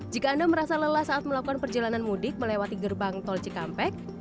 jika anda merasa lelah saat melakukan perjalanan mudik melewati gerbang tol cikampek